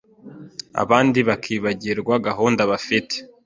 abandi bakibagirwa gahunda bafite